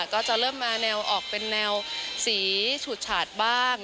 ก็จะเริ่มมาแนวออกเป็นแนวสีฉูดฉาดบ้าง